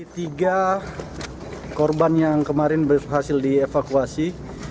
tiga korban yang kemarin berhasil dievakuasi